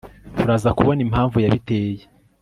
turaza kubona impamvu yabiteye